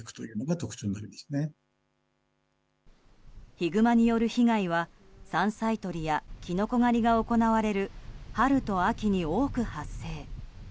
ヒグマによる被害は山菜採りやキノコ狩りが行われる春と秋に多く発生。